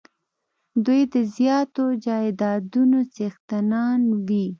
دوی د زیاتو جایدادونو څښتنان وي.